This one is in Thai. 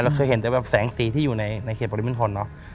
เราเคยเห็นแบบแสงสีที่อยู่ในเขตปริมินทรเนาะ